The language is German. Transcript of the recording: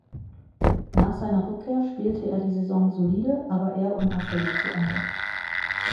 Nach seiner Rückkehr spielte er die Saison solide, aber eher unauffällig zu Ende.